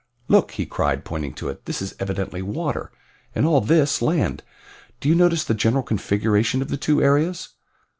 "Look," he cried, pointing to it, "this is evidently water, and all this land. Do you notice the general configuration of the two areas?